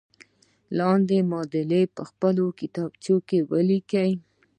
لاندې معادلې په خپلو کتابچو کې ولیکئ.